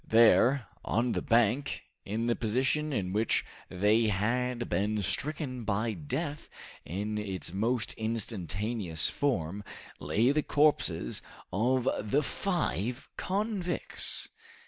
There, on the bank, in the position in which they had been stricken by death in its most instantaneous form, lay the corpses of the five convicts!